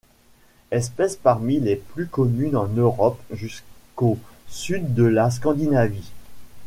Espèce parmi les plus communes en Europe, jusqu'au sud de la Scandinavie.